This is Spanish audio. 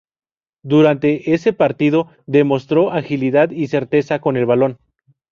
Durante ese partido demostró agilidad y certeza con el balón.